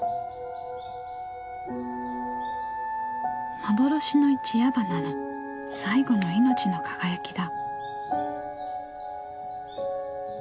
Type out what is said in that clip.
幻の一夜花の最後の命の輝きだ。